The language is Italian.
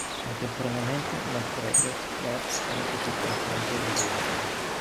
Contemporaneamente nacquero "yacht clubs" anche sul continente europeo.